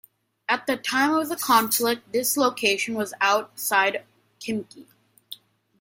At the time of the conflict this location was outside Khimki.